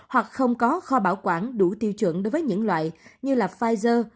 hoặc không có kho bảo quản đủ tiêu chuẩn đối với những loại như là pfizer